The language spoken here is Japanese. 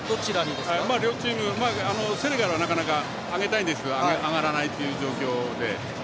両チーム、セネガルはなかなか上げたいんですけど上がらないという状況で。